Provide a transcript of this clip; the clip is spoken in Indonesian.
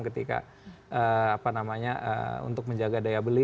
ketika apa namanya untuk menjaga daya beli